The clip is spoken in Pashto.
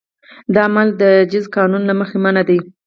دا عمل د جزا قانون له مخې منع دی.